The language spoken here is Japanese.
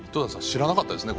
知らなかったですね